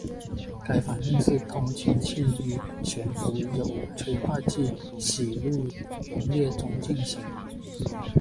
该反应是通氢气于悬浮有催化剂的酰氯溶液中来进行。